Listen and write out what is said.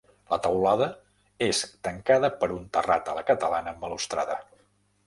La teulada és tancada per un terrat a la catalana amb balustrada.